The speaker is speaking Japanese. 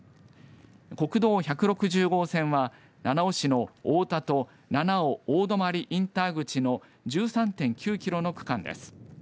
国道１６０号線は七尾市の大田と七尾大泊インター口の１３．９キロの区間です。